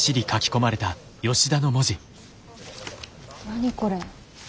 何これ。